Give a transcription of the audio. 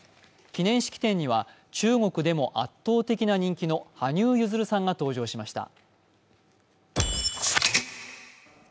記念式典には中国でも圧倒的な人気の羽生結弦さんが登場しました。